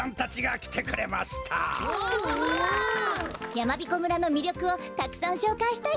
やまびこ村のみりょくをたくさんしょうかいしたいとおもいます！